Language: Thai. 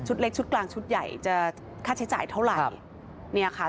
ชุดเล็กชุดกลางชุดใหญ่จะค่าใช้จ่ายเท่าไหร่